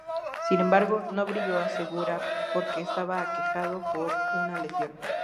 Sin embargo, no brillo asegura, por que estaba aquejado por una lesión.